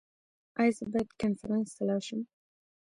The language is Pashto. ایا زه باید کنفرانس ته لاړ شم؟